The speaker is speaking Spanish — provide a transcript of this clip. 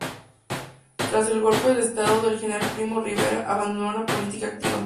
Tras el golpe de estado del general Primo de Rivera, abandonó la política activa.